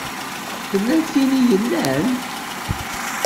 Tella tin i yellan?